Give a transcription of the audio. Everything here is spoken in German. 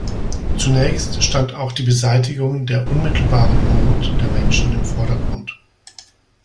Zunächst stand auch die Beseitigung der unmittelbaren Not der Menschen im Vordergrund.